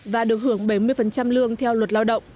và được hưởng bảy mươi lương theo luật lao động